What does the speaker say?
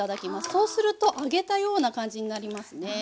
そうすると揚げたような感じになりますね。